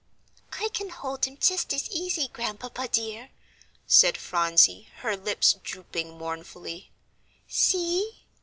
"I can hold him just as easy, Grandpapa dear," said Phronsie, her lips drooping mournfully. "See."